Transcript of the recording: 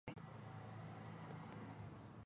مصدر د زمان د جوړېدو بنسټ دئ.